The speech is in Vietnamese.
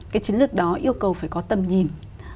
cái chiến lược đó yêu cầu phải có tầm nhìn